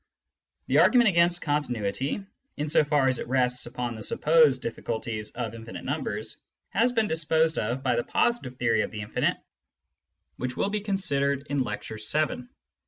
The argument against continuity, in so far as it rests upon the supposed difficulties of injfinite numbers, has been disposed of by the positive theory of the infinite, which will be considered in Lecture VII.